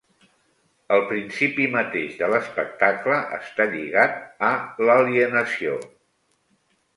El principi mateix de l'espectacle està lligat a l'alienació.